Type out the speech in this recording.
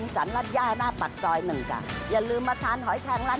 สั่งหอยแทงสักโลสักโล